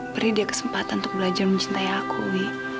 beri dia kesempatan untuk belajar mencintai aku